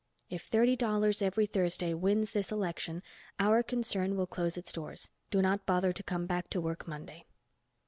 _If Thirty Dollars Every Thursday wins this election, our concern will close its doors. Do not bother to come back to work Monday.